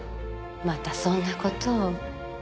またそんな事を。